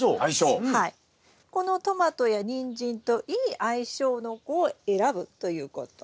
このトマトやニンジンといい相性の子を選ぶということ。